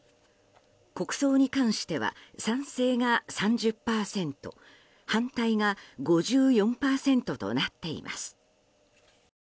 国葬に関しては賛成が３０％反対が５４％となっています。